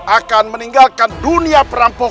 akan meninggalkan dunia perampokan ini